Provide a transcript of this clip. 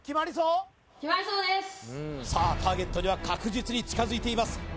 さあターゲットには確実に近づいています